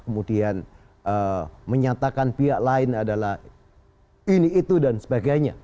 kemudian menyatakan pihak lain adalah ini itu dan sebagainya